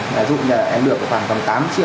ví dụ như là em được khoảng tầm tám triệu